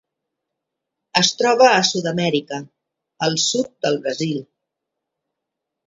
Es troba a Sud-amèrica: el sud del Brasil.